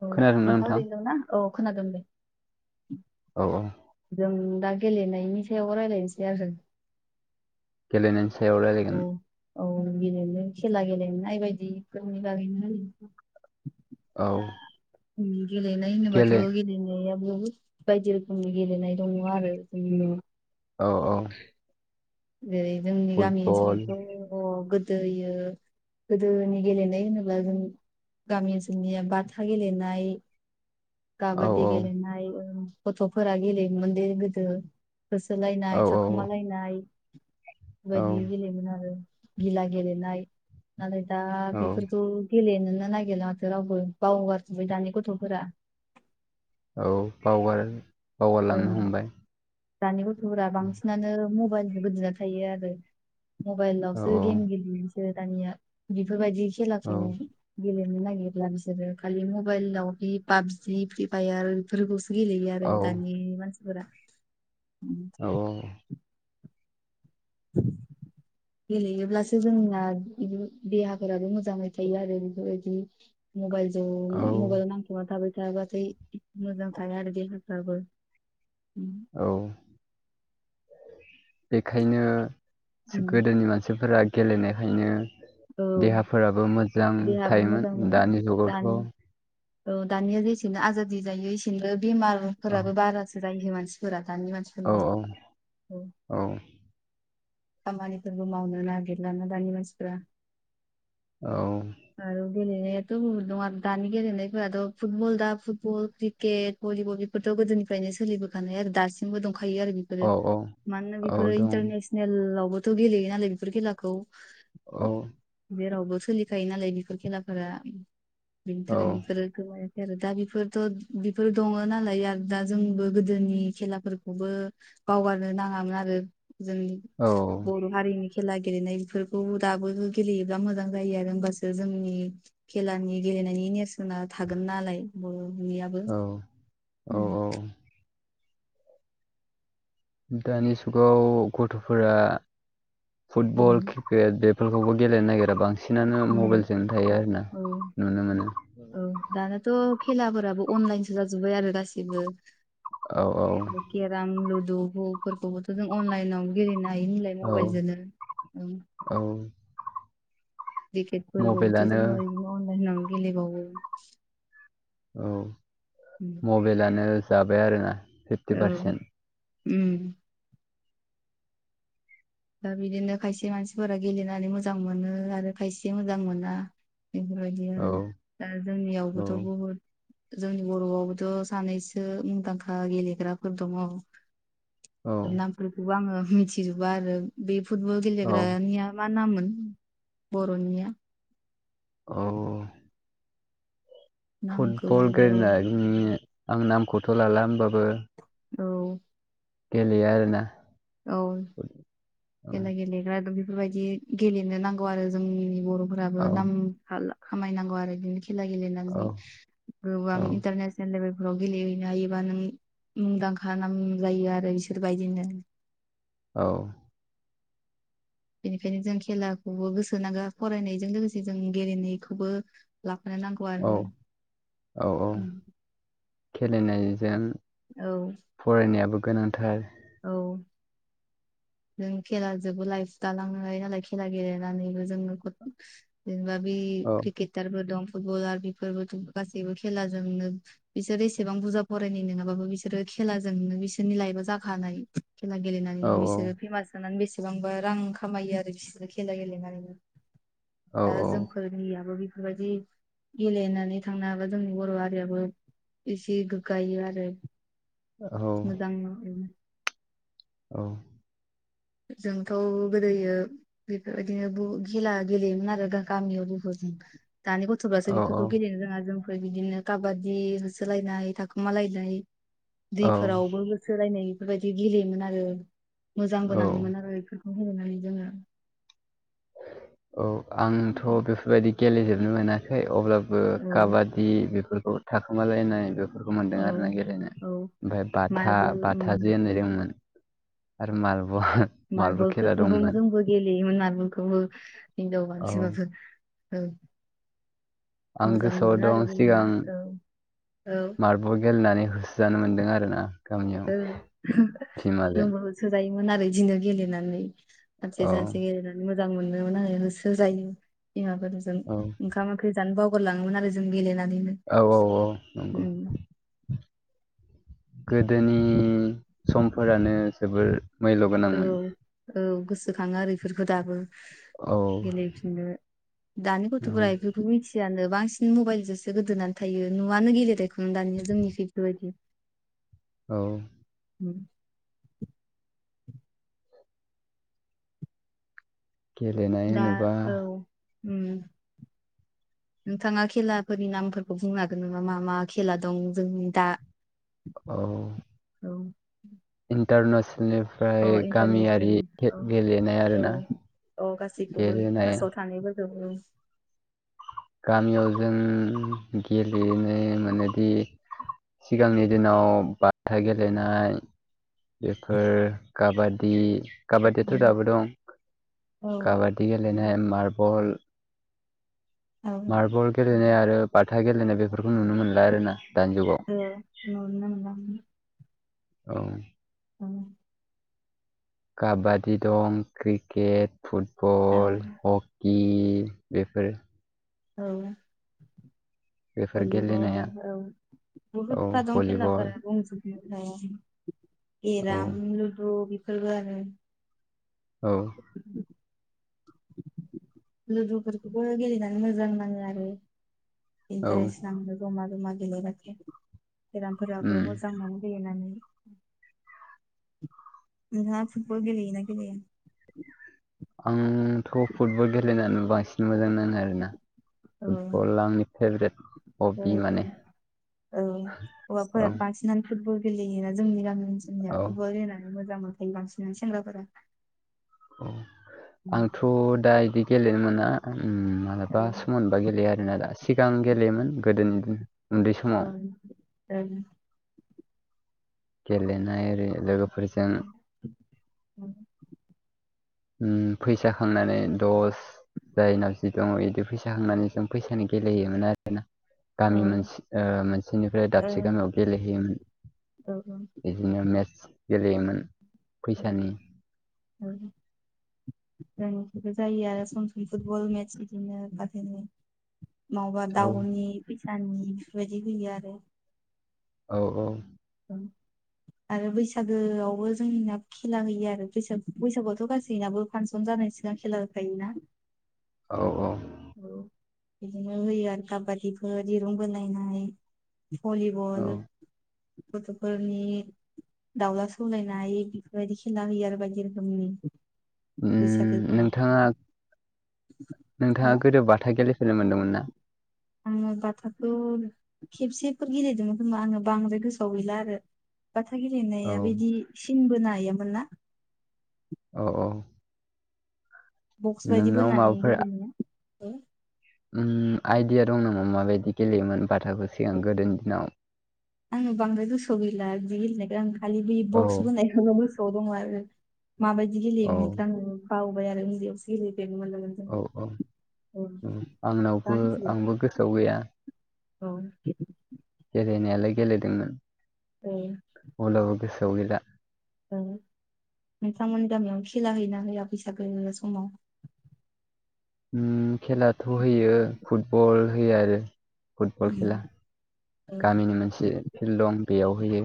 औ नोंथां ओरैनो ना औ खोनादों दे। औ औ जों दा गेलेनायनि सायावबो रायलायनोसै आरो‌। गेलेनायनि सायाव रायलायगोन। औ गेलेनो खेला गेलेनाय बायदिफोरनि बागैनो। औ। गेलनाय होनोबाथ' गेले गेलनाय बायदि रोखोमनि गेलेनाय दङ आरो जों औ औ। जेरै जोंनि गामि फुटबल ओनसोलथ' गोदोयो गोदोनि गेलेनाय होनोब्ला जों गामि जोंनिया बाथा गेलेनाय औ खाबादि औ गेलेनाय गथ'फोरा गेलेयोमोन दि गोदो। औ होसोलायनाय, थाखोमालायनाय औ बेबायदि गेलेयोमोन आरो गिला गेलेनाय नालाय दा औ बेफोरखौ गेलेनोनो नागिरला माथो रावबो। बावगारखोबबाय दानि गथ'फोरा। औ बावगार ओं बावगारलांनो हमबाय। दानि गथ'फोरा बांसिनानो मबाइलजों गोदोना थायो आरो। औ औ मबाइलावसो गेम गेलेयोसो दानिया बेफोरबायदि औ खेलाखौ गेले बिसोरो खालि मबाइल फाबजि फ्रि फायार बेफोरखौसो गेलेयो आरो औ दानि मानसिफोरा। औ। औ। गेलेयोब्लासो जोंना देहाफोराबो मोजाङै थायो आरो बेफोरबायदि मबाइलजो औ मबाइलाव नांथाबाना थाबाय थाबाथाय मोजां थाया आरो देहाफोराबो। औ। [inaudible] बेखायनो गोदोनि मानसिफोरा गेलेनायखायनो औ देहाफोराबो मोजां देहाबो थायोमोन मोजांमोन दानि दानि जुगावथ' औ दानिया जेसेनो आजादि जायो एसेनो बेमारफोराबो बारासो जायो मानसिफोरा दानि औ मानसिफोरनो औ। खामानिफोरबो मावनो नागिरला ना दानि मानसिफोरा। औ। आरो गेलेनायाथ' दङ दानि गेलेनायफोराथ' फुटबल दा फुटबल, क्रिकेट, भलिबल बेथ' गोदोनिफ्रायनो सोलिबोखानाय आरो दासिमबो दं दंखायो आरो बेफोरो औ औ मानोना औ बेफोरो दं इन्टरनेसनेलावबोथ' गेलेयो नालाय बेफोर खेलाखौ औ जेरावबो सोलिखायो नालाय बेफोर खेलाफोरा बिनि औ थाखायनो बेफोरो गो आरो दा बेफोरथ' बेफोर दङ नालाय आरो दा जोंबो गोदोनि खेलाफोरखौबो बावगारनो नाङामोन आरो जों औ बर' हारिनि खेला गेलेनाय बेफोरखौ दाबो गेलेयोब्ला मोजां जायो आरो होमबासो जोंनि खेलानि गेलेनायनि नेरसोन थागोन नालाय नियाबो औ औ औ। दानि जुगाव गथ'फोरा उम फुटबल क्रिकेट बे फोरखौबो गेलेनो नागिरा बांसिनानो उम मबाइलजोंनो थायो आर ना औ नुनो मोनो। थ' खेलाफोराबो अनलाइनसो जाजोब्बाय आरो गासिबो। औ औ केराम, लुदुफोरखौबोथ' जों अनलाइनाव गेलेनो हायो नालाय औ मबाइलजोंनो औ क्रिकेटफोरखौबोथ' मबाइलानो जोङो बिदिनो अनलाइन होननानै गेलेबावो औ मबाइेलानो जाबाय आरोना औ फिफ्टि पारसेन्ट उम। दा बिदिनो खायसे मानसिफोरा गेलेनानै मोजां मोनो आरो खायसे मोजां मोना। बेफोरबायदिनो औ आरो दा औ जोंनियावबोथ' बहुद जोंनि बर'आवबोथ' सानैसो मुंदांखा गेलेग्राफोर दङ। औ नामफोरखौबो आङो मिथिजोबा आरो बे फुटबल औ गेलेग्रानिया मा नामोन बर'निया औ नामखौ फुटबल गेलेनायनि आं नामखौथ' लाला होमबाबो औ। गेलेयो आरोना। औ खेला गेलेग्रा बि बेफोरबायदि गेलेनो नांगौ आरो जोंनि बर'फोराबो औ नाम खाला-खामायनांगौ आरो बिदिनो खेला औ गेलेनानै गोबां इनतायनेसनेल लेबेल फोराव गेलेहैनो हायोबा नों मुंदांखा नाम जायो आरो बिसोर बायदिनो औ। बेनिखायनो जों खेलाखौबो गोसो होनांगो फरायनायजों लोगोसे जों गेलेनायखौबो ला फा नांगौ औ आरो उम उम खेलेनायजों फरायनायाबो गोनांथार औ नों खेला जोबो लाइफ दालाङो हायो नालाय खेला गेलेनानैबो जोंङो जेनेबा बि औ क्रिकेटारबो दं। फुटबलार बेफोरबो गासैबो खेलाजोंनो बिसोर एसेबां बुरजा फरायनाय नङाबाबो बिसोरो खेलाजोंनो बिसोरनि लाइफआ जाखानाय खेला औ गेलेनानैनो बिसोरो थानानै बेसेबांबा रां खामायो आरो बिसोरो खेला औ गेलेनानैनो औ जोंफोरनियाबो बि बेफोर बायदि गेलेनानै थांनो हाबा जोंनि बर' हारियाबो एसे गोग्गायो आरो औ मोजां औ। जोंथ' गोदोयो बेफोर बायदिनो बहुत खेला गेलेयोमोन आरो गामियाव बुहुत। [inaudible] दानि गथ'फ्रासो बेफोरखौ औ गेलेनो रोङा जोंफोर बिदिनो काबादि होसोलायनाय थाखोमा लायनाय औ दैफोरावबो होसो लायनाय बेफोर बायदि गेलेयोमोन आरो मोजां बो औ नाङोमोन आरो बेफोरखौ गेलेनानै जोङो। औ आंथ' बेफोर बायदि गेलेफोरनो मोनाखै अब्लाबो औ काबादि बेफोर थाखुमालायनाय बेखौ बेफोरखौ मोन्दों औ आरोना गेलेनो औ ओमफ्राय बाथा मार्बल उम बाथाजो होननाय दंमोन। आरो माल मारबलफोरखौ जोंबो गेले गोमोन मारबलखौबो हिनजाव औ मानसिबाबो औ। आं मोजां गोसोआव मोनो आरो दं गेलेना सिगां औ औ मार्बल गेलेनानै होसो जानो मोन्दों आरोना। गामियाव ओं टिमाजों जोंबो होसो जायोमोन। इदिनो गेलेनानै सानसे औ सानसे गेलेनानै मोजां मोनोमोन होसो जायो बिमाफोरजों औ ओंखाम ओंख्रि जानो बाव बावगारलाङोमोन आरो‌ जों गेलेनानै। औ औ औ नंगौ। गोदोनि समफोरानो जोबोर मैल' औ गोनांमोन औ गोसोखाङो आरो इफोरखौ दाबो औ गेलेफिननो दानि औ गथ'फोरा बेफोरखौ मिथियानो। बांसिन मबाइलजोंसो गोदोनानै थायो नुयानो गेलेनायखौनो दानिया जोंनि इफोरबायदि। औ। उम। गेलेनाय दा होनोबा औ उम। [inaudible] नोंथाङा खेलाफोरनि नामफोरखौ बुंनो हागोन नामा मा मा खेला दं जोंनि दा औ। औ अ इन्टारनेसनेलनिफ्राय गामियारि इन्टारनेसनेल गेलेनाय आरोना? अ गासैखौबो गेलेनाय गोसोआव थानायबो बुं। गामियाव जों गेलेनो मोनोदि [inaudible] सिगांनि दिनाव बाथा गेलेनाय बेफोर काबादि काबादियाथ' दाबो दं ओ काबादि गेलेनाय मार्बल मार्बल गेलेनाय आरो बाथा गेलेनाय बेफोरखौ नुनो मोनला आरोना। दानि उम जुगाव नुनो मोनला उमहो। औ। औ। काबादि दं क्रिकेट आरो फुटबल हकि बे बेफोर औ। बेफोर भलिबल गेलेनाया औ बहुत औ था दं भलिबल खेलाफोर बुंंजोब ओमफ्राय औ केराम लुदु बेफोरबो आरो। औ [inaudible] लुदुफोरखौबो गेलेनानै मोजां नाङो आरो। औ इन्टारेस्ट नाङो जमा जमा गेलेबाथे बेरामफोराबो उम मोजां मोनो गेलेनानै नोंहा फुतबल गेलेयो ना गेलेया? आंथ' फुटबल गेलेनानो बांसिन मोजां नां ङो आरोना औ फुटबला आंनि फेभरेट औ हबि औ माने। औ हौवाफोरा औ बांसिननानै फुटबल गेलेयोना जोंनि गामि ओनसोलनिया औ फुटबल गेलेनानै मोजां मोनखायो बांसिनानो सेंग्राफोरा। औ औ आं आंथ' दा बिदि गेलेनो मोना उम औ मालाबा सम मोनबा गेलेयो आरोना दा सिगां गेलेयोमोन गोदोनि दिन उन्दै समाव ओं ओ गेलेनाय ओरै लोगोफोरजों उम फैसा खांनानै दस जायनाव जि दङ बिदि फैसा खांनानै जों फैसानि गेलेहयोमोन आरोना। औ गामि मोनसे ओ मोनसेनिफ्राय दाबसे औ गामियाव गेलेहैयोमोन। औ बिदिनो मेटस गेलेयोमोन फैसानि। औ जोंनिथिबो जायो आरो सम सम फुटबल मेटच बिदिनो फारसेनि मावबा औ दाउनि फैसानि बेफोरबायदि होयो आरो। औ औ [inaudible] आरो बैसागोआवबो जोंनिया खेला होयो आरो बैसाग बैसागोआवथ' गासैनाबो फांसन जानाय सिगां खेला होखायोना। औ औ औ बिदिनो होयो आरो काबादिफोर दिरुं बोलायनाय भलिबल औ फथ'फोरनि दाउला सौलायनाय बेफोरबायदि खेला होयो आरो बायदि रोखोमनि। बैसागो उम फोराव। नोंथाङा नोंथाङा गोदो बाथा गेलेफेरनो मोनदोंमोन ना? आङो बाथाथ' खेबसेफोर गेलेदोंमोन खोमा आङो बांद्राय गोसोआव गैला आरो। बाथा गेलेनाया औ बिदि सिन बोनायामोन ना? औ औ बक्स बायदि नोंनाव बोनानै माबाफोर गेलेयोना इखो? उम आइदिया दं नामा माबायदि गेलेयोमोन बाथाखौ सिगां गोदोनि दिनाव? आङो बांद्राय गोसोआव गैला बे गेलेनायखो आं खालि बे औ बक्स बोनायखौ गोसो याव दङो आरो माबायदि औ गेलेयोमोन आङो बावबाय आरो उन्दैयावसो गेले नो मोन्दोंमोन औ औ जोङो। औ उम दा आंनावबो मिथिगौ आंबो गोसोआव गैया औ गेलेनायालाय गेलेदोंमोन औ अब्लाबो गोसोआव गैला। ओं नोंथांमोननि गामियाव खेला होयोना होया बैसागो समाव। उम खेलाथ' होयो फुटबल होयो आरो औ फुटबल खेला। गामिनि मोनसे फिल्ड दं बेयाव होयो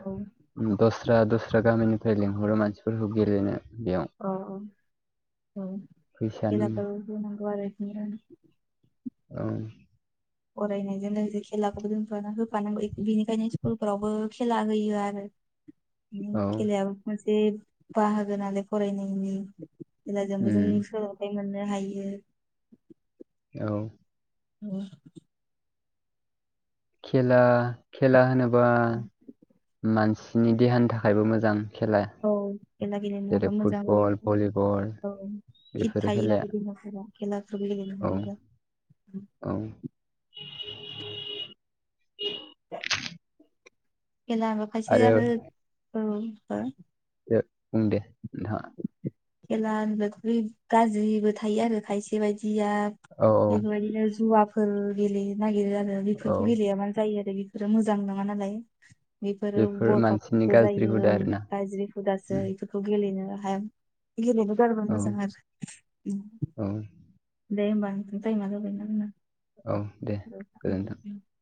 औ दस स्रा दस्रा गामिनिफ्राय लिंहरो मानसिफोरखौ गेलेनो। बेयाव अ अ फैसानि औ [unintelligible] [unintelligible] ओं फरायनायजों लोगोसे खेलाखौबो जोंफ्र होफानांगौ बेनिखायनो स्कुलफोरावबो खेला होयो आरो। [inaudible] खेलायाबो मोनसे बाहागो नालाय फरायनायनि। खेलाजोंबो जों उम सोलोंथाइ मोननो हायो। औ औ खेला खेला होनोबा मानसिनि देहानि थाखायबो मोजां। खेला औ खेला गेलेनो जेरै मोजांबा फुटबल मोनो भलिबल औ फिट बेफोर थायो खेलाया आरो औ बिमाफोरा औ [unintelligible] [inaudible] खेलाबो खायसो आरो औ ओ। बुंं दे दा खेला होनोबथ' गाज्रिबो थायो आरो खायसे बायदि सिया औ बेफोरबायदिनो जुवाफोर गेलेयो। नागिरो आरो बेफोरखौ औ गेले मानो जायो आरो बेफोरो मोजां नङा नालाय। बेफोरो बेफोर बरबद मानसिनि बो गाज्रि जायो हुदा आरोना गाज्रि हुदासो उम, एफोरखौ गेलेनो हाया। गेलेनो गारबा औ मोजां आरो ओम। औ औ दे गोजोनथों [unintelligible]